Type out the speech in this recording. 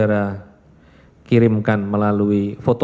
atau yang saudara lihat secara langsung itu sama dengan menu yang pernah saudara